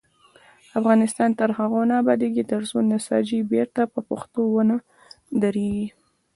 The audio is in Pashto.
افغانستان تر هغو نه ابادیږي، ترڅو نساجي بیرته په پښو ونه دریږي.